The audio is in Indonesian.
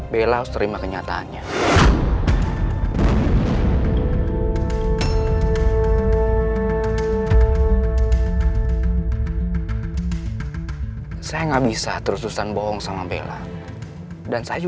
bella harus terima kenyataannya